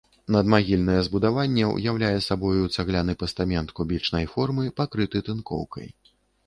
Надмагільнае збудаванне ўяўляе сабою цагляны пастамент кубічнай формы, пакрыты тынкоўкай.